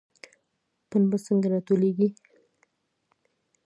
پنبه څنګه راټولیږي؟